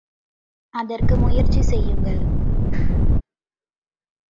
அதற்கு முயற்சி செய்யுங்கள்!